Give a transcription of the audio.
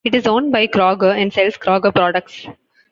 It is owned by Kroger and sells Kroger products.